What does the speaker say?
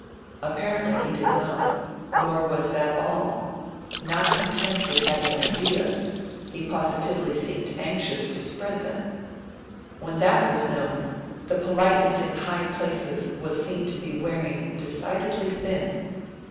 Apparently, he did not nor was that all; not content with having ideas, he positively seemed anxious to spread them. When that was known, the politeness in high places was seen to be wearing decidedly thin.